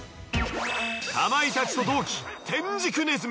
かまいたちと同期天竺鼠。